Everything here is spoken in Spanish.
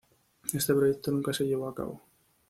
Este proyecto nunca se llevó a cabo.